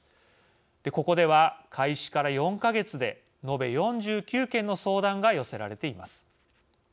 ここでは、開始から４か月で延べ４９件の相談が寄せられています。